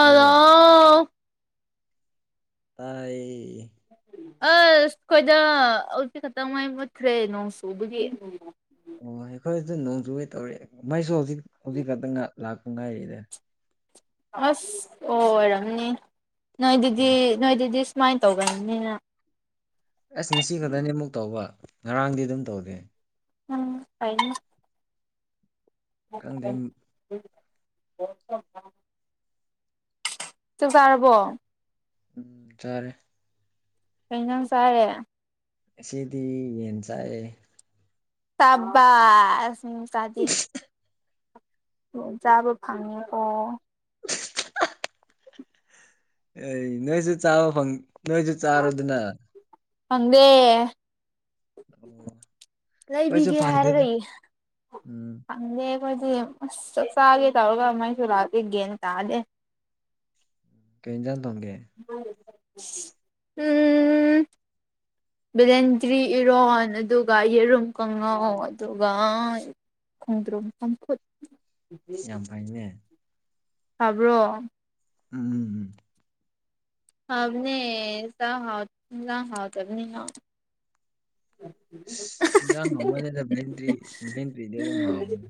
ꯇꯥꯕ꯭ꯔꯣ ꯇꯥꯏ ꯑꯁ ꯈꯣꯏꯗ ꯍꯧꯖꯤꯛꯇ ꯈꯛꯇꯪ ꯃꯩ ꯃꯨꯠꯈ꯭ꯔꯦ ꯅꯣꯡ ꯆꯨꯕꯒꯤ ꯑꯣ ꯑꯩꯈꯣꯏꯖꯨ ꯅꯣꯡ ꯆꯨꯒꯦ ꯇꯧꯔꯦ ꯃꯩꯁꯨ ꯍꯧꯖꯤꯛ ꯍꯧꯖꯤꯛ ꯔꯇꯪ ꯉꯥꯛ ꯂꯥꯛꯄ ꯉꯥꯏꯔꯤꯗ ꯑꯁ ꯑꯣꯏꯔꯝꯅꯤ ꯅꯣꯏꯗꯨꯗꯤ ꯎꯝ ꯅꯣꯏꯗꯨꯗꯤ ꯁꯨꯃꯥꯏꯅ ꯇꯧꯔꯝꯅꯤꯅ ꯑꯁ ꯉꯁꯤ ꯈꯛꯇꯅꯤ ꯑꯃꯨꯛ ꯇꯧꯕ ꯉꯔꯥꯡꯗꯤ ꯑꯗꯨꯝ ꯇꯧꯗꯦ ꯎꯝ ꯐꯩꯅꯤ ꯀꯪꯗꯦꯝ [inaudible] ꯆꯥꯛ ꯆꯥꯔꯕꯣ ꯆꯥꯔꯦ ꯀꯩ ꯏꯟꯖꯥꯡ ꯆꯥꯔꯦ ꯉꯁꯤꯗꯤ ꯌꯦꯟ ꯆꯥꯑꯦ ꯇꯕꯥꯁ ꯃꯤ ꯃꯆꯥꯗꯤ ꯔꯣꯡ ꯆꯥꯕ ꯐꯪꯉꯦꯀꯣ [unintelligible] ꯑꯩ ꯅꯣꯏꯖꯨ ꯆꯥꯕ ꯐꯪ ꯅꯣꯏꯖꯨ ꯆꯥꯔꯣꯗꯅ ꯍꯪꯗꯦ ꯑꯣ ꯑꯩꯈꯣꯏꯁꯨ ꯂꯩꯕꯤꯒꯦ ꯐꯪꯗꯦꯗ ꯍꯥꯏꯔꯒꯩ ꯎꯝ ꯈꯪꯗꯦ ꯑꯩꯈꯣꯏꯗꯤ ꯑꯁ ꯆꯥꯛ ꯆꯥꯒꯦ ꯇꯧꯔꯒ ꯃꯩꯁꯨ ꯂꯥꯛꯇꯦ ꯒꯦꯟ ꯇꯥꯗꯦ ꯀꯩ ꯏꯟꯖꯥꯟ ꯇꯣꯡꯒꯦ ꯎꯝ ꯖ ꯕꯦꯂꯦꯟꯗ꯭ꯔꯤ ꯏꯔꯣꯟ ꯑꯗꯨꯒ ꯌꯦꯔꯨꯝ ꯀꯥꯡꯉꯥꯎ ꯑꯗꯨꯒ ꯈꯣꯡꯗ꯭ꯔꯣ ꯆꯝꯐꯨꯠ ꯑꯁ ꯌꯥꯝ ꯐꯩꯅꯦ ꯇꯥꯕ꯭ꯔꯣ ꯎꯝ ꯐꯕꯅꯦ ꯏꯟꯖꯥꯡ ꯍꯥꯎ ꯏꯟꯖꯥꯡ ꯍꯥꯎꯇꯕꯅꯤꯅ ꯏꯁ ꯏꯟꯖꯥꯡ ꯍꯥꯎꯃꯟꯂꯦꯗ ꯕꯤꯂꯦꯟꯗꯔꯤ ꯕꯤꯂꯦꯟꯇ꯭ꯔꯤꯗꯤ ꯑꯗꯨ ꯍꯥꯎꯕꯅꯤ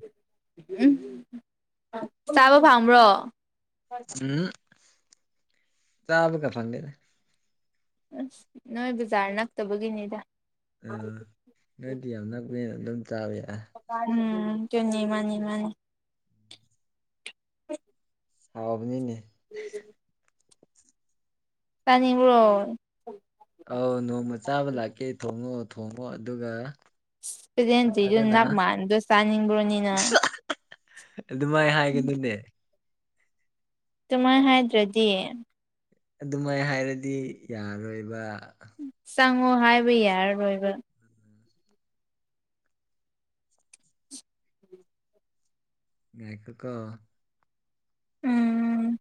ꯎꯝ ꯆꯥꯕ ꯐꯪꯕ꯭ꯔꯣ ꯎꯝ ꯆꯥꯕ ꯀ ꯐꯪꯗꯦꯗ ꯑꯁ ꯅꯣꯏ ꯕꯖꯥꯔ ꯅꯛꯇꯕꯒꯤꯅꯤꯗ ꯑ ꯅꯣꯏꯗꯤ ꯌꯥꯝ ꯅꯛꯄꯅꯦꯅ ꯑꯗꯨꯝ ꯆꯥꯕ ꯌꯥꯏ ꯎꯝ ꯀꯅꯤ ꯃꯥꯅꯤ ꯃꯥꯅꯤ ꯍꯥꯎꯕꯅꯤꯅꯦ [unintelligible] ꯆꯅꯤꯡꯕ꯭ꯔꯣ ꯑꯧ ꯅꯣꯡꯃ ꯆꯥꯕ ꯂꯥꯛꯀꯦ ꯊꯣꯡꯉꯣ ꯊꯣꯡꯉꯣ ꯑꯗꯨꯒ ꯑꯁ ꯄꯤꯂꯦꯟꯗ꯭ꯔꯤꯗꯨꯗ ꯅꯠꯇ꯭ꯔꯒꯅ ꯅꯞ ꯃꯥꯟꯕꯗꯣ ꯆꯥꯅꯤꯡꯕ꯭ꯔꯣꯅꯦ ꯅꯪ ꯑꯗꯨꯃꯥꯏ ꯍꯥꯏꯒꯅꯨꯅꯦ ꯑꯗꯨꯨꯃꯥꯏ ꯍꯥꯏꯗ꯭ꯔꯗꯤ ꯑꯗꯨꯃꯥꯏ ꯍꯥꯏꯔꯗꯤ ꯌꯥꯔꯣꯏꯕ ꯆꯪꯉꯣ ꯍꯥꯏꯕ ꯌꯥꯔꯔꯣꯏꯕ ꯉꯥꯏꯈꯣꯀꯣ ꯎꯝ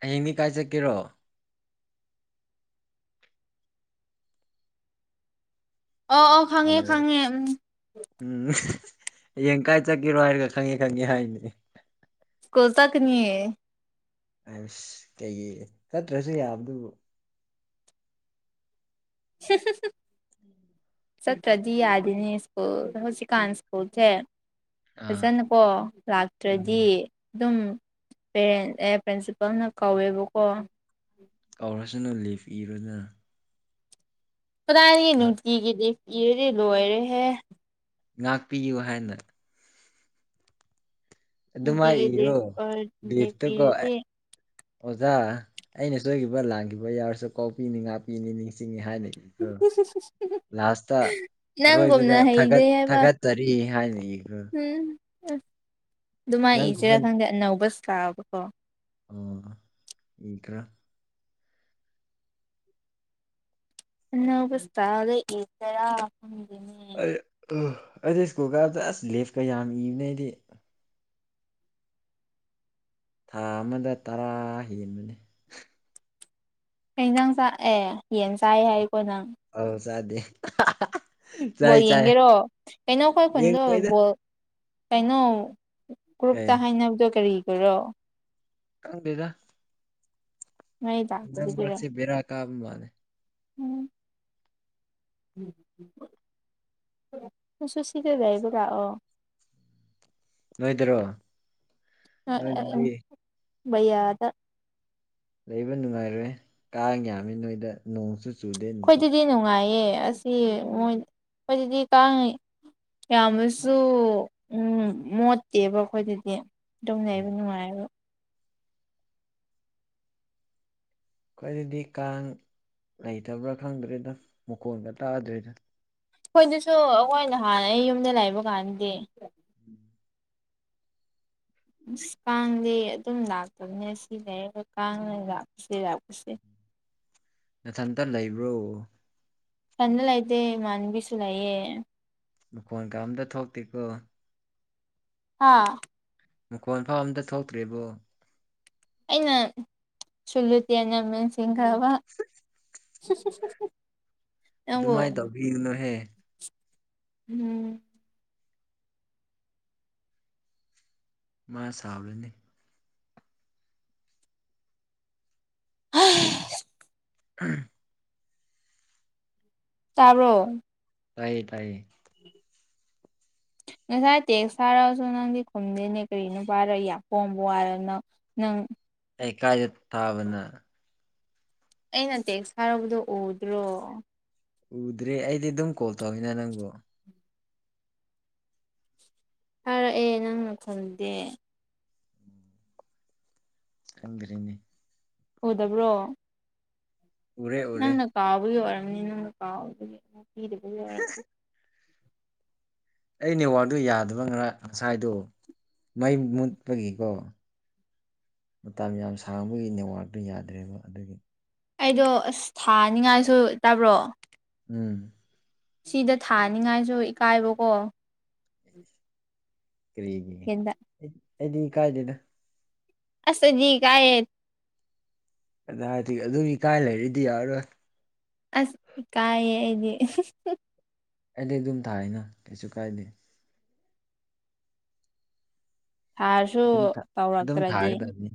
ꯍꯌꯦꯡꯗꯤ ꯀꯥꯏ ꯆꯠꯀꯦꯔꯣ ꯑꯣ ꯑꯣ ꯈꯪꯉꯦ ꯍꯜꯂꯣ ꯈꯪꯉꯦ ꯎꯝ ꯎꯝ ꯍꯌꯦꯡ ꯀꯥꯏ ꯆꯠꯀꯦꯔꯣ ꯍꯥꯏꯔꯒ ꯈꯪꯉꯦ ꯈꯪꯉꯦ ꯍꯥꯏꯅꯦ ꯁ꯭ꯀꯨꯜ ꯆꯠꯀꯅꯤ ꯑꯁ ꯀꯩꯒꯤ ꯆꯠꯇ꯭ꯔꯁꯨ ꯌꯥꯕꯗꯨꯕꯨ [unintelligible] [unintelligible] ꯆꯠꯇ꯭ꯔꯗꯤ ꯌꯥꯗꯤꯅꯦ ꯁ꯭ꯀꯨꯜ ꯍꯨꯖꯤꯛꯀꯥꯟ ꯁ꯭ꯀꯨꯜꯁꯦ ꯑꯥ ꯐꯖꯅꯀꯣ ꯂꯥꯛꯇ꯭ꯔꯗꯤ ꯎꯝ ꯑꯗꯨꯝ ꯄꯦꯔꯦꯟ ꯑꯦ ꯄ꯭ꯔꯤꯟꯁꯤꯄꯜꯅ ꯀꯧꯋꯦꯕꯀꯣ ꯀꯧꯔꯁꯨ ꯅꯪ ꯂꯤꯞ ꯏꯔꯨꯅ ꯀꯗꯥꯏꯗꯒꯤ ꯅꯨꯡꯇꯤꯒꯤꯗꯤ ꯂꯤꯞ ꯏꯔꯗꯤ ꯂꯣꯏꯔꯦꯍꯦ ꯉꯥꯛꯄꯤꯌꯨ ꯍꯥꯏꯅ ꯑꯗꯨꯃꯥꯏ ꯅꯨꯡꯇꯤꯒꯤ ꯏꯔꯣ ꯂꯤꯐ ꯂꯤꯐ ꯂꯤꯞꯇꯀꯣ ꯑꯦ ꯏꯔꯗꯤ ꯑꯣꯖꯥ ꯑꯩꯅ ꯁꯣꯏꯈꯤꯕ ꯂꯥꯟꯈꯤꯕ ꯌꯥꯎꯔꯁꯨ ꯀꯣꯛꯄꯤꯅꯤ ꯉꯛꯄꯤꯅꯤ ꯅꯤꯡꯁꯤꯡꯉꯦ ꯍꯥꯏꯅ ꯏꯈ꯭ꯔꯣ [unintelligible] ꯂꯥꯁꯇ ꯑꯔꯣꯏꯕꯗ ꯅꯪꯒꯨꯝꯅ ꯍꯩꯗꯦ ꯊꯥꯒꯠ ꯍꯥꯏꯕ ꯊꯥꯒꯠꯆꯔꯤ ꯍꯥꯏꯅ ꯏꯈ꯭ꯔꯣ ꯍꯨꯝ ꯑꯗꯨꯃꯥꯏ ꯅꯪꯒꯨꯝꯕ ꯏꯁꯤꯔꯥ ꯈꯪꯗꯦ ꯑꯅꯧꯕ ꯏꯁꯇꯥꯏꯟꯗꯀꯣ ꯑꯣ ꯏꯒ꯭ꯔꯥ ꯑꯅꯧꯕ ꯏꯁꯇꯥꯏꯟꯗ ꯏꯖꯤꯔ ꯈꯪꯗꯦꯅꯦ ꯑꯩ ꯑꯩꯗꯤ ꯁ꯭ꯀꯨꯜ ꯀꯥꯕꯗ ꯑꯁ ꯂꯦꯞꯀ ꯌꯥꯝ ꯏꯕꯅꯦ ꯑꯩꯗꯤ ꯊꯥ ꯑꯃꯗ ꯇꯔꯥ ꯍꯦꯟꯕꯅꯦ ꯀꯩꯖꯥꯡ ꯆꯥꯏ ꯑꯦ ꯌꯦꯟ ꯆꯥꯏ ꯍꯥꯏꯀꯣ ꯅꯪ ꯑꯣ ꯆꯥꯗꯦ ꯕꯣꯜ ꯆꯥꯏ ꯆꯥꯏ ꯌꯦꯡꯒꯦꯔꯣ ꯀꯩꯅꯣ ꯑꯈꯣꯏ ꯈꯨꯟꯗꯣ ꯌꯦꯡꯉꯣꯏꯗ ꯕꯣꯜ ꯀꯩꯅꯣ ꯀꯩ ꯒ꯭ꯔꯨꯞꯇ ꯍꯥꯏꯅꯕꯗꯣ ꯀꯔꯤꯒꯤꯔꯣ ꯈꯪꯗꯦꯗ ꯃꯩ ꯅꯪ ꯂꯥꯛꯇꯕꯒꯤꯔꯣ ꯉꯁꯤ ꯕꯦꯔꯥ ꯀꯥꯕ ꯃꯥꯟꯂꯦ ꯎꯝ ꯅꯪꯁꯨ ꯁꯤꯗ ꯂꯩꯕ ꯂꯥꯛ ꯑꯣ ꯅꯣꯏꯗꯔꯣ ꯑ ꯑ ꯅꯣꯏꯗꯗꯤ ꯑꯪ ꯕꯩꯌꯥꯗ ꯂꯩꯕ ꯅꯨꯡꯉꯥꯏꯔꯣꯏ ꯀꯥꯡ ꯌꯥꯝꯃꯤ ꯅꯣꯏꯗ ꯅꯣꯡꯁꯨꯨ ꯑꯩꯈꯣꯏꯗꯗꯤ ꯅꯨꯡꯉꯥꯏꯌꯦ ꯑꯁꯤ ꯃꯣꯏ ꯑꯩꯈꯣꯏꯗꯗꯤ ꯀꯥꯡ ꯌꯥꯝꯃꯁꯨ ꯃꯣꯠꯇꯦꯕ ꯑꯩꯈꯣꯏꯗꯗꯤ ꯑꯗꯨꯝ ꯂꯩꯕ ꯅꯨꯡꯉꯥꯏꯌꯦꯕ ꯑꯩꯈꯣꯏꯗꯗꯤ ꯀꯥꯡ ꯂꯩꯇꯕ꯭ꯔꯥ ꯈꯪꯗ꯭ꯔꯦꯗ ꯃꯈꯣꯟꯒ ꯇꯥꯗ꯭ꯔꯦꯗ ꯑꯩꯈꯣꯏꯗꯁꯨ ꯑꯩꯈꯣꯏ ꯅꯍꯥꯟ ꯑꯩ ꯌꯨꯝꯗ ꯂꯩꯕ ꯀꯥꯟꯗꯗꯤ [inaudible] ꯑꯁ ꯀꯥꯡꯗꯤ ꯑꯗꯨꯝ ꯂꯥꯛꯄꯅꯦ ꯁꯤ ꯂꯩꯔꯒ ꯀꯥꯡꯅ ꯂꯥꯛꯄꯁꯦ ꯂꯥꯛꯄꯁꯦ ꯅꯊꯟꯇ ꯂꯩꯕ꯭ꯔꯣ ꯏꯊꯟꯇ ꯂꯩꯇꯦ ꯏꯃꯥꯅꯕꯤꯁꯨ ꯂꯩꯌꯦ ꯃꯈꯣꯟꯒ ꯑꯝꯇ ꯊꯣꯛꯇꯦꯀꯣ ꯍꯥꯥ ꯃꯈꯣꯟ ꯐꯥꯎ ꯑꯝꯇ ꯊꯣꯛꯇ꯭ꯔꯤꯕꯣ ꯑꯩꯅ ꯁꯨꯂꯨ ꯇꯦꯞꯅ ꯃꯦꯟꯁꯤꯟꯈ꯭ꯔꯕ [unintelligible] ꯑꯗꯨꯃꯥꯏꯅ ꯇꯧꯕꯤꯒꯅꯨꯍꯦ ꯎꯝ ꯃꯥ ꯁꯥꯎꯔꯅꯤ ꯍꯩꯁ [unintelligible] ꯇꯥꯕ꯭ꯔꯣ ꯇꯥꯏꯌꯦ ꯇꯥꯏꯌꯦ ꯉꯁꯥꯏ ꯇꯦꯛꯁ ꯊꯥꯔꯛꯑꯁꯨ ꯅꯪꯗꯤ ꯈꯨꯝꯗꯦꯅꯦ ꯀꯔꯤ ꯅꯨꯄꯥꯔ ꯌꯥꯝ ꯄꯣꯡꯕ ꯋꯥꯔ ꯅꯪ ꯅꯪ ꯑꯩ ꯀꯥꯏꯗ ꯇꯥꯕ ꯅꯪ ꯑꯩꯅ ꯇꯦꯛꯁ ꯇꯊꯥꯛꯕꯗꯣ ꯎꯗ꯭ꯔꯣ ꯎꯗ꯭ꯔꯦ ꯑꯩꯗꯤ ꯑꯗꯨꯝ ꯀꯣꯜ ꯇꯧꯋꯤꯅ ꯅꯪꯕꯨ ꯊꯥꯔꯛꯑꯦ ꯅꯪꯅ ꯈꯨꯝꯗꯦ ꯈꯪꯗ꯭ꯔꯦꯅꯦ ꯎꯗꯕ꯭ꯔꯣ ꯎꯔꯦ ꯎꯔꯦ ꯅꯪꯅ ꯀꯥꯎꯕꯒꯤ ꯑꯣꯏꯔꯝꯅꯤ ꯅꯪꯅ ꯀꯥꯎꯕꯒꯤ ꯑꯣꯏ [unintelligible] ꯑꯩ ꯅꯦꯠꯋꯥꯛꯗꯨ ꯌꯥꯗꯕ ꯉꯔꯥꯡ ꯉꯁꯥꯏꯗꯣ ꯃꯩ ꯃꯨꯠꯄꯒꯤꯀꯣ ꯃꯇꯝ ꯌꯥꯝ ꯁꯥꯡꯕꯒꯤ ꯅꯦꯠꯋꯥꯥꯛꯇꯨ ꯌꯥꯗ꯭ꯔꯦꯕ ꯑꯗꯨꯒꯤ ꯑꯩꯗꯣ ꯑꯁ ꯊꯥꯅꯤꯡꯉꯥꯏꯁꯨ ꯇꯥꯕ꯭ꯔꯣ ꯎꯝ ꯁꯤꯗ ꯊꯥꯅꯤꯡꯉꯥꯏꯁꯨ ꯏꯀꯥꯏꯕꯀꯣ ꯀꯔꯤꯒꯤ ꯌꯦꯟꯗ ꯑꯩꯗꯤ ꯏꯀꯥꯏꯗꯦꯗ ꯑꯁ ꯑꯩꯗꯤ ꯏꯀꯥꯏꯌꯦ ꯀꯗꯥꯏꯗꯒꯤ ꯑꯗꯨ ꯏꯀꯥꯏ ꯂꯩꯔꯗꯤ ꯌꯥꯔꯔꯣꯏ ꯑꯁ ꯏꯀꯥꯏꯌꯦ ꯑꯩꯗꯤ [unintelligible] ꯑꯩꯗꯤ ꯑꯗꯨꯝ ꯊꯥꯏꯅ ꯀꯩꯁꯨ ꯀꯥꯏꯗꯦ ꯍꯥꯔꯁꯨ ꯑꯗꯨꯝ ꯊꯥ ꯑꯗꯨꯝ ꯇꯧꯔꯛꯇ꯭ꯔꯗꯤ ꯊꯥꯒꯗꯕꯅꯤ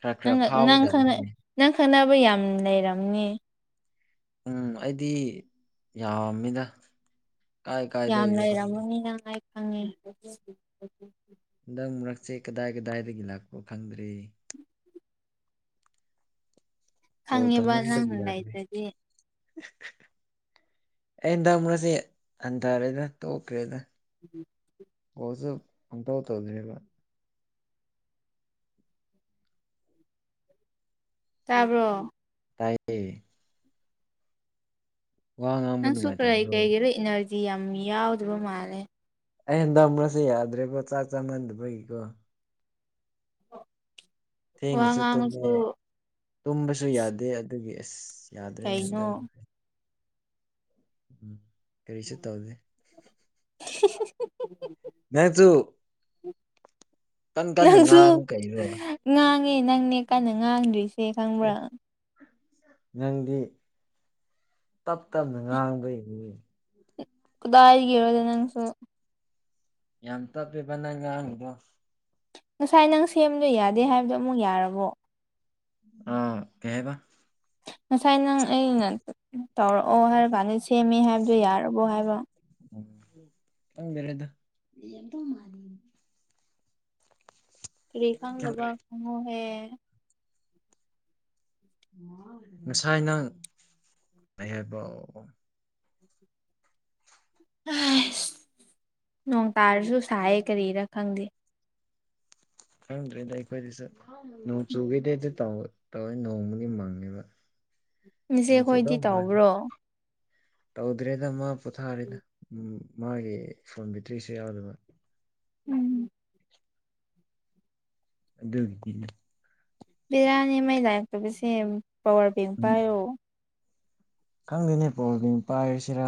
ꯈꯔ ꯈꯔ ꯅꯪ ꯅꯥ ꯅꯪ ꯈꯪꯅ ꯐꯥꯎꯒꯗꯕꯅꯤ ꯅꯪ ꯈꯪꯅꯕ ꯌꯥꯝ ꯂꯩꯔꯝꯒꯅꯤ ꯎꯝ ꯑꯩꯗꯤ ꯌꯥꯝꯃꯦꯗ ꯀꯥꯏ ꯀꯥꯏꯗꯒꯤꯔꯣ ꯈꯪꯗꯦ ꯑꯩ ꯅꯪ ꯍꯥꯏꯞ ꯐꯪꯉꯦ [unintelligible] ꯍꯟꯗꯛ ꯃꯔꯛꯁꯦ ꯀꯗꯥꯏ ꯀꯗꯥꯏꯗꯒꯤ ꯂꯥꯛꯄ꯭ꯔꯣ ꯈꯪꯗ꯭ꯔꯦ ꯀꯣꯜ ꯈꯪꯉꯦꯕ ꯇꯧꯃꯟꯕꯒꯤ ꯅꯪꯅ ꯌꯥꯗ꯭ꯔꯦ ꯂꯩꯇ꯭ꯔꯗꯤ [unintelligible] ꯑꯩ ꯍꯟꯗꯛ ꯃꯔꯛꯁꯦ ꯍꯟꯊꯥꯔꯦꯗ ꯇꯣꯛꯈ꯭ꯔꯦꯗ ꯎꯝ ꯀꯣꯜꯁꯨ ꯄꯪꯇꯧ ꯇꯧꯗ꯭ꯔꯦꯕꯥ ꯇꯥꯕ꯭ꯔꯣ? ꯇꯥꯏꯑꯦ ꯋꯥ ꯉꯥꯡꯕ ꯅꯪꯁꯨ ꯀꯔꯩ ꯅꯨꯡꯉꯥꯏꯇꯕ꯭ꯔꯣ ꯀꯩꯒꯤꯔꯣ ꯏꯅꯔꯖꯤ ꯌꯥꯝ ꯌꯥꯎꯗꯕ ꯃꯥꯜꯂꯦ ꯑꯩ ꯍꯟꯗꯛ ꯃꯔꯛꯁꯦ ꯌꯥꯗ꯭ꯔꯦꯀꯣ ꯆꯥꯛ ꯆꯥꯃꯥꯟꯗꯕꯒꯤꯀꯣ ꯋꯥ ꯊꯦꯡꯅꯁꯨ ꯇꯨꯝꯃꯦ ꯉꯥꯡꯉꯁꯨ ꯇꯨꯝꯕꯁꯨ ꯌꯥꯗꯦ ꯑꯗꯨꯒꯤ ꯑꯁ ꯌꯥꯗ꯭ꯔꯦꯅꯦ ꯍꯟꯗꯛ ꯀꯩꯅꯣ ꯃꯔꯛꯁꯦ ꯎꯝ ꯀꯔꯤꯁꯨ ꯇꯧꯗꯦ [unintelligible] ꯅꯪꯆꯨ ꯀꯟ ꯀꯟꯅ ꯅꯪꯁꯨ ꯉꯥꯡꯉꯣ ꯀꯩꯔꯣ ꯉꯥꯡꯉꯦ ꯅꯪꯅꯦ ꯀꯟꯅ ꯉꯥꯡꯗ꯭ꯔꯤꯁꯦ ꯈꯪꯕ꯭ꯔꯥ [unintelligible] ꯅꯪꯗꯤ ꯇꯞ ꯇꯞꯅ ꯉꯥꯡꯕꯩꯅꯤꯅꯦ ꯀꯗꯥꯏꯗꯒꯤ ꯔꯣꯗꯥ ꯅꯪꯁꯨ ꯌꯥꯝ ꯇꯞꯞꯦꯕ ꯅꯪ ꯉꯥꯡꯉꯤꯗꯣ ꯉꯁꯥꯏ ꯅꯪ ꯁꯦꯝꯕꯗꯣ ꯌꯥꯗꯦ ꯍꯥꯏꯕꯗꯣ ꯑꯃꯨꯛ ꯌꯥꯔꯕꯣ? ꯑꯥ ꯀꯩꯍꯥꯏꯕꯥ? ꯉꯁꯥꯏ ꯅꯪ ꯑꯩꯅ [unintelligible] ꯇꯧꯔꯛꯑꯣ ꯍꯥꯏꯔ ꯀꯥꯟꯗ ꯁꯦꯝꯃꯦ ꯍꯥꯏꯕꯗꯣ ꯌꯥꯔꯕꯣ ꯍꯥꯏꯕ? ꯎꯝ ꯈꯪꯗꯔꯦꯗ ꯂꯩꯔꯝꯗꯧ ꯃꯜꯂꯤ ꯀꯔꯤ ꯈꯪꯗꯕ ꯈꯪꯗ꯭ꯔꯦ ꯈꯪꯉꯣꯍꯦ [unintelligible] ꯉꯁꯥꯏ ꯅꯪ ꯀꯩ ꯍꯥꯏꯕꯧ [unintelligible] ꯅꯣꯡ ꯇꯥꯔꯁꯨ ꯁꯥꯏꯌꯦ ꯀꯔꯤꯔꯥ ꯈꯪꯗꯦ ꯈꯪꯗ꯭ꯔꯦꯗ ꯑꯩꯈꯣꯏꯗꯁꯨ [unintelligible] ꯅꯣꯡ ꯆꯨꯒꯦꯗꯤ ꯑꯗꯨ ꯇꯧ ꯇꯧꯋꯦ ꯅꯣꯡꯕꯨꯗꯤ ꯃꯪꯉꯦꯕ ꯅꯆꯦ ꯅꯣꯡ ꯈꯣꯏꯗꯤ ꯆꯨꯗꯧ ꯃꯥꯜꯂꯦ ꯇꯧꯕ꯭ꯔꯣ? ꯇꯧꯗ꯭ꯔꯦꯗ ꯃꯥ ꯄꯣꯠꯊꯥꯔꯦꯗ ꯎꯝ ꯃꯥꯒꯤ ꯐꯣꯟ ꯕꯦꯇ꯭ꯔꯤꯁꯨ ꯌꯥꯎꯗꯕ ꯎꯝ ꯑꯗꯨꯒꯤꯗꯤꯅ ꯕꯦꯔꯅꯦ ꯃꯩ ꯇꯕꯁꯦ ꯄꯋꯥꯔ ꯕꯦꯛ ꯎꯝ ꯄꯥꯏꯌꯣ ꯈꯪꯗꯦꯅꯦ ꯄꯋꯥꯔ ꯕꯦꯡꯛ ꯄꯥꯏꯔꯁꯤꯔꯥ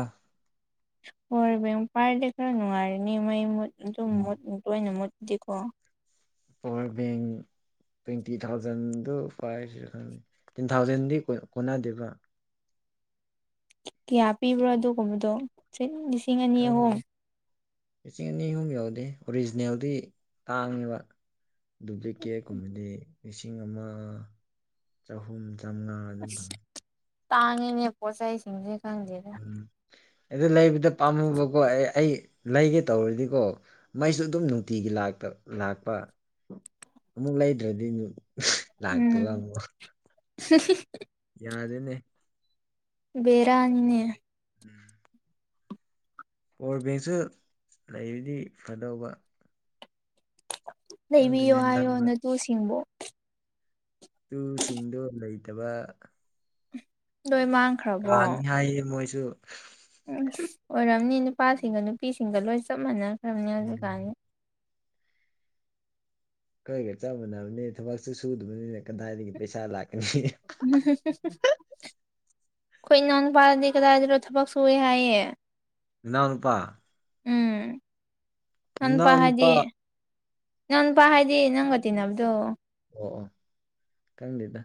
ꯄꯋꯥꯔ ꯕꯦꯡꯛ ꯄꯥꯏꯔꯗꯤ ꯈꯔ ꯅꯨꯡꯉꯥꯏꯔꯅꯤ ꯃꯩ ꯃꯨꯠ ꯑꯗꯨꯝ ꯃꯨꯠ ꯇꯣꯏꯅ ꯃꯨꯠꯄꯗꯤꯀꯣ? ꯄꯋꯥꯔ ꯕꯦꯡꯛ ꯇ꯭ꯋꯦꯟꯇꯤ ꯊꯥꯎꯖꯟꯗꯨ ꯄꯥꯏꯁꯤꯔꯥ ꯈꯪꯗꯦ ꯇꯦꯟ ꯊꯥꯎꯖꯟꯗꯤ ꯀꯣꯟꯅꯗꯦꯕ ꯀꯌꯥ ꯄꯤꯕꯔꯥ ꯑꯗꯨꯒꯨꯝꯕꯗꯣ [unintelligible] ꯂꯤꯁꯤꯡ ꯑꯅꯤ ꯑꯍꯨꯝ? ꯈꯪꯗꯦ ꯂꯤꯁꯤꯡ ꯑꯅꯤ ꯑꯍꯨꯝ ꯌꯥꯎꯗꯦ ꯑꯣꯔꯤꯖꯤꯅꯦꯜꯗꯤ ꯇꯥꯡꯉꯦꯕ ꯑꯗꯨꯗꯤ ꯀꯦꯛ ꯀꯨꯝꯕꯗꯤ ꯂꯤꯁꯤꯡ ꯑꯃ ꯆꯍꯨꯝ ꯆꯥꯝꯃꯉꯥ ꯑꯗꯨꯝ ꯐꯪꯉꯦ ꯇꯥꯡꯏꯅꯦ ꯄꯣꯠꯆꯩ ꯁꯤꯡꯁꯦ ꯈꯪꯗꯦ ꯎꯝ ꯑꯗꯨ ꯂꯩꯕꯗ ꯄꯥꯝꯃꯨꯕꯀꯣ ꯑꯩ ꯑꯩ ꯂꯩꯒꯦ ꯇꯧꯔꯗꯤꯀꯣ ꯃꯩꯁꯨ ꯑꯗꯨꯝ ꯅꯨꯡꯇꯤꯒꯤ ꯂꯥꯛꯇ ꯂꯥꯛꯄ ꯑꯃꯨꯛ ꯂꯩꯗ꯭ꯔꯥꯗꯤ ꯂꯥꯛꯇꯕ ꯎꯝ ꯑꯃꯨꯛ ꯌꯥꯗꯦꯅꯦ ꯕꯦꯔꯅꯤꯅꯦ ꯎꯝ꯫ ꯄꯥꯋꯔ ꯕꯦꯡꯛꯁꯨ ꯂꯩꯔꯗꯤ ꯐꯥꯗꯧꯕ ꯈꯪꯗꯦꯅꯦ ꯂꯩꯕꯤꯌꯣ ꯍꯟꯗꯛ ꯍꯥꯏꯌꯣ ꯃꯔꯛ ꯅꯇꯨꯁꯤꯡꯕꯣ ꯇꯨꯁꯤꯡꯗꫭ ꯂꯩꯇꯕ ꯂꯣꯏꯃꯥꯡ ꯀꯥꯡꯉꯤ ꯍꯥꯏꯌꯦ ꯃꯣꯏꯁꯨ ꯎꯝ ꯑꯣꯏꯔꯝꯅꯤ ꯅꯨꯄꯥꯁꯤꯡꯒ ꯅꯨꯄꯤꯁꯤꯡꯒ ꯂꯣꯏ ꯆꯞ ꯃꯥꯟꯅꯈ꯭ꯔꯥꯕꯅꯤ ꯍꯧꯖꯤꯛꯀꯥꯟꯅꯤ ꯎꯝ ꯑꯩꯈꯣꯏꯒ ꯆꯞ ꯃꯅꯥꯕꯅꯦ ꯊꯕꯛꯁꯨ ꯁꯨꯗꯕꯅꯤꯅ ꯀꯟꯗꯥꯏꯗꯒꯤ ꯄꯩꯁꯥ ꯂꯥꯛꯀꯅꯤ [inaudible] ꯑꯩꯈꯣꯏ ꯏꯅꯥꯎ ꯅꯨꯄꯥꯗꯤ ꯀꯗꯥꯏꯗꯅꯣ ꯊꯕꯛ ꯁꯨꯏꯌꯦ ꯍꯥꯏꯌꯦ ꯏꯅꯥꯎ ꯅꯨꯨꯄꯥ ꯎꯝ ꯏꯅꯥꯎꯅꯨꯄꯥ ꯅꯅꯥꯎꯅꯨꯄꯥ ꯍꯥꯏꯗꯤ ꯏꯅꯥꯎ ꯅꯨꯄꯥ ꯍꯥꯏꯗꯤ ꯅꯪꯒ ꯇꯤꯟꯅꯕꯗꫭ ꯑꯣ ꯑꯣ ꯈꯪꯗꯦꯗ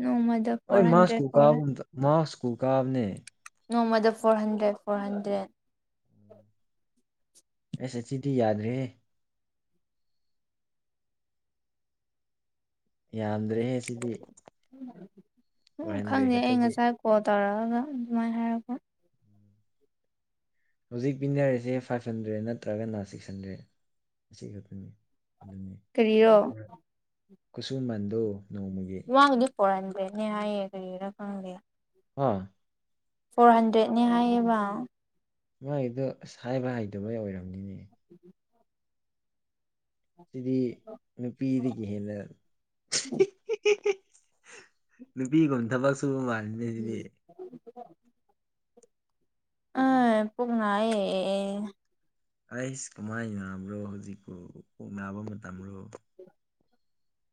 ꯅꯣꯡꯃꯥꯗ ꯑꯩ ꯃꯥꯁ ꯁ꯭ꯀꯨꯜ ꯀꯥꯕꯒꯨꯝ ꯇꯧ ꯃꯥꯁ ꯁ꯭ꯀꯨꯜ ꯀꯥꯕꯅꯦ ꯅꯣꯡꯃꯥꯗ ꯐꯣꯔ ꯍꯟꯗ꯭ꯔꯦꯠ ꯐꯣꯔ ꯍꯟꯗ꯭ꯔꯦꯠ ꯑꯦꯁ ꯑꯦꯁ ꯁꯤ ꯗꯤ ꯌꯥꯗ꯭ꯔꯦꯍꯦ ꯌꯥꯝꯗ꯭ꯔꯦꯍꯦ ꯁꯤꯗꯤ ꯑꯣꯏꯍꯟꯗ꯭ꯔꯦ ꯈꯛꯇꯗꯤ ꯀꫭꯜ ꯇꯧꯔꯛꯑꯒ ꯑꯗꯨꯃꯥꯏ ꯍꯥꯏꯔꯛꯄ ꯍꯧꯖꯤꯛ ꯄꯤꯟꯅꯔꯤꯁꯦ ꯐꯥꯏꯚ ꯍꯟꯗ꯭ꯔꯦꯠ ꯅꯠꯇ꯭ꯔꯒꯅ ꯁꯤꯛꯁ ꯍꯟꯗ꯭ꯔꯦꯠ ꯑꯁꯤ ꯈꯛꯇꯅꯤ ꯑꯗꯨꯅꯤ ꯀꯔꯤꯌꫭ ꯈꯨꯁꯨꯃꯟꯗꯨ ꯅꯣꯡꯃꯥꯒꯤ ꯃꯥꯒꯤꯗꯤ ꯐꯣꯔ ꯍꯟꯗ꯭ꯔꯦꯠꯅꯦ ꯍꯥꯏꯌꯦ ꯀꯔꯤꯔꯥ ꯈꯪꯗꯦ ꯀꫭ ꯐꯣꯔ ꯍꯟꯗ꯭ꯔꯦꯠꯅꯦ ꯍꯥꯏꯌꯦꯕ ꯃꯥꯒꯤꯗꯣ ꯑꯁ ꯍꯥꯏꯕ ꯍꯩꯇꯕꯒꯤ ꯑꯣꯏꯔꯝꯅꯤꯅꯦ ꯁꯤꯗꯤ ꯅꯨꯄꯤꯗꯒꯤ ꯍꯦꯟꯅ ꯅꯨꯄꯤꯒꯨꯝꯕ ꯊꯕꯛ ꯁꯨꯕ ꯃꯥꯜꯂꯤꯗ ꯁꯤꯗꯤ ꯑ ꯄꯨꯛ ꯅꯥꯏꯌꯦ ꯑꯦ ꯑꯩꯁ ꯀꯃꯥꯏ ꯅꯥꯕ꯭ꯔꫭ ꯍꯧꯖꯤꯛꯄꯨ ꯄꯨꯛ ꯅꯥꯕ ꯃꯇꯝꯔꯣ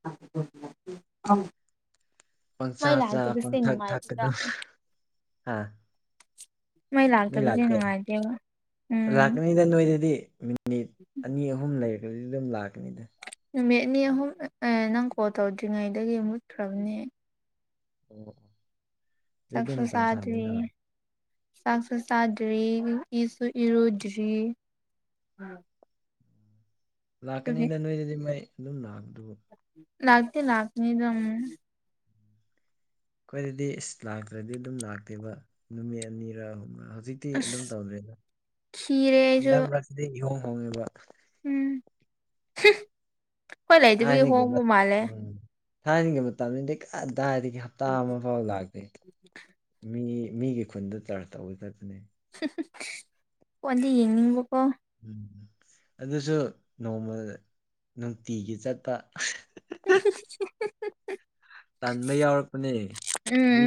[unintelligible] ꯈꯪ ꯄꯪꯆꯥꯥ ꯆꯥ ꯄꯪꯊꯛ ꯊꯛ ꯅꯨꯡꯉꯥꯏꯇꯦꯗ ꯀꯩꯗꯧ ꯍꯥꯥ ꯃꯩ ꯃꯤ ꯂꯥꯛꯇꯕꯁꯦ ꯂꯥꯛꯀꯦ ꯅꯨꯡꯉꯥꯏꯇꯦꯕ ꯎꯝ ꯂꯥꯛꯀꯅꯤꯗ ꯅꯣꯏꯗꯗꯤ ꯃꯤꯅꯤꯠ [unintelligible] ꯑꯅꯤ ꯑꯍꯨꯝ ꯂꯩꯈ꯭ꯔꯥꯗꯤ ꯑꯗꯨꯝ ꯂꯥꯛꯀꯅꯤꯗ ꯅꯨꯃꯤꯠ ꯑꯅꯤ ꯑꯍꯨꯝ ꯅꯪ ꯀꯣꯜ ꯇꯧꯗ꯭ꯔꯤꯉꯩꯗꯒꯤ ꯃꯨꯠꯈ꯭ꯔꯥꯕꯅꯦ ꯑꫭ꯫ ꯆꯛꯁꯨ ꯆꯥꯗ꯭ꯔꯤ꯫ ꯆꯥꯛꯁꯨ ꯆꯥꯗ꯭ꯔꯤ ꯏꯁꯨ ꯏꯔꯨꯗ꯭ꯔꯤ꯫ ꯑꯗꯨꯒꯤ ꯂꯥꯛꯀꯅꯤꯗ ꯅꯣꯏꯗꯗꯤ ꯃꯩ ꯑꯗꯨꯝ ꯂꯥꯛꯄꯗꯨꯕꯨ꯫ ꯂꯥꯛꯇꯤ ꯂꯥꯛꯅꯤꯗ ꯎꯝ꯫ ꯈꫭꯏꯗꯗꯤ ꯏꯁ ꯂꯥꯛꯇ꯭ꯔꯗꯤ ꯑꯗꯨꯝ ꯂꯥꯛꯇꯦꯕ ꯅꯨꯃꯤꯠ ꯑꯅꯤꯔꯥ ꯑꯍꯨꯝꯔ ꯍꯧꯖꯤꯛ ꯇꯤ ꯑꯁ ꯑꯗꯨꯝ ꯇꯧꯗ꯭ꯔꯦꯗ ꯈꯤꯔꯦ ꯑꯩꯁꯨ ꯍꯟꯗꯛ ꯃꯔꯛꯁꯤꯗꯤ ꯏꯍꯣꯡ ꯍꯣꯡꯉꯦꯕ‌꯫ ꯎꯝ ꯈꫭꯏ ꯂꯩꯇꯕꯒꯤ ꯊꯥꯏꯅꯒꯤ ꯍꯣꯡꯕ ꯃꯠ- ꯃꯥꯜꯂꯦ꯫ ꯎꯝ ꯊꯥꯏꯅꯒꯤ ꯃꯇꯝꯗꯗꯤ ꯀꯥꯗꯥꯏꯗꯒꯤ ꯍꯞꯇꯥ ꯑꯃ ꯐꯥꯎ ꯂꯥꯛꯇꯦ꯫ ꯃꯤ ꯃꯤꯒꯤ ꯈꯨꯟꯗ ꯆꯥꯔꯖ ꯇꯧꯕ ꯆꯠꯄꯅꯦ꯫ ꯐꫭꯟꯗꯤ ꯌꯦꯡꯅꯤꯡꯕꯀꯣ꯫ ꯎꯝ ꯑꯗꯨꯁꯨ ꯅꯣꯡꯃ ꯅꯨꯡꯇꯤꯒꯤ ꯆꯠꯄ꯫ [unintelligible] ꯇꯟꯕ ꯌꯥꯎꯔꯛꯄꯅꯦ ꯃꯤ ꯎꯝ